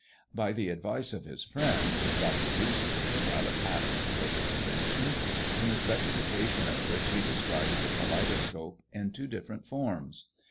By the advice of his friends, Dr. Brewster took out a patent for his invention; in the specification of which he describes the kaleidoscope in two different forms.